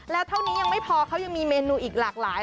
แล้วเท่านี้ยังไม่พอเขายังมีเมนูอีกหลากหลาย